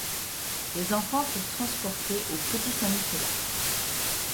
Les enfants furent transportés au Petit-st-Nicolas.